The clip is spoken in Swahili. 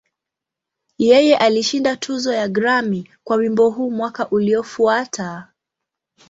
Yeye alishinda tuzo ya Grammy kwa wimbo huu mwaka uliofuata.